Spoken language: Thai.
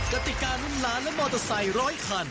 กติการุ่นล้านและมอเตอร์ไซค์ร้อยคัน